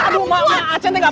kamu malah main barang kuat